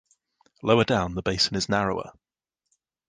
Lower down the basin is narrower.